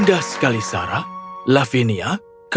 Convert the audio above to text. aku berharap yang menyenangkan